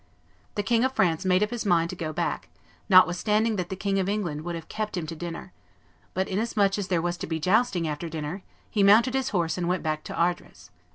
The King of France made up his mind to go back, notwithstanding that the King of England would have kept him to dinner; but, inasmuch as there was to be jousting after dinner, he mounted his horse and went back to Ardres.